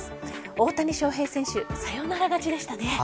大谷翔平選手サヨナラ勝ちでしたね。